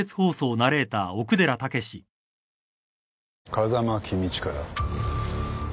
「風間公親だ」